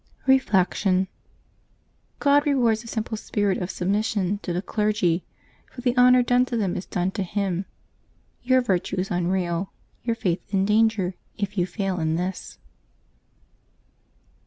Reflection. — God rewards a simple spirit of submission to the clergy, for the honor done to them is done to Him. Your virtue is unreal, your faith in danger, if you fail in this.